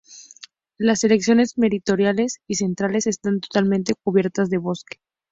Las secciones meridionales y centrales están totalmente cubiertas de bosque.